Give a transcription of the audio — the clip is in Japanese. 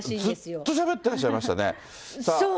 ずっとしゃべってらっしゃいましたね。でしょう。